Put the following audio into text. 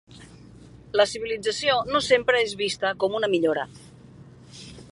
La civilització no sempre és vista com una millora.